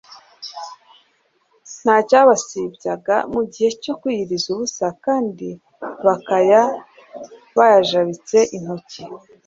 nta cyabasibyaga mu gihe cyo kwiyiriza ubusa kandi bakaiya bajabitse intoki,